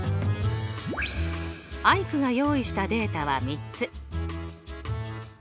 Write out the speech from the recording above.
アイクが用意したデータは３つ。